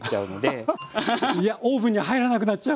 いやオーブンに入らなくなっちゃう。